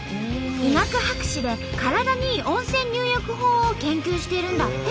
医学博士で体にいい温泉入浴法を研究してるんだって。